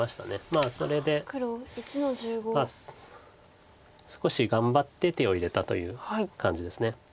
まあそれで少し頑張って手を入れたという感じです。